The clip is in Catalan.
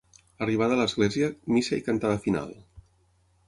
Arribada a l'església, missa i cantada final.